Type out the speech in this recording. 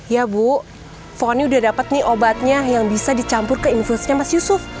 ya bu pohonnya udah dapet nih obatnya yang bisa dicampur ke infusnya mas yusuf